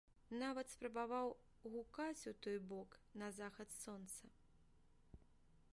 Нават спрабаваў гукаць у той бок на захад сонца.